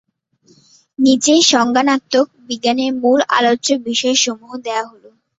নিচে সংজ্ঞানাত্মক বিজ্ঞানের মূল আলোচ্য বিষয়সমূহ দেয়া হলো।